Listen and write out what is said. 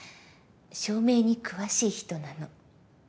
照明に詳しい人なの。